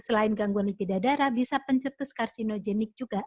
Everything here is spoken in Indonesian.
selain gangguan likida darah bisa pencetus karsinogenik juga